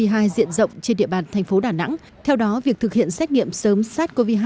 trên diện rộng trên địa bàn tp đà nẵng theo đó việc thực hiện xét nghiệm sớm sars cov hai